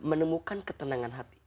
menemukan ketenangan hati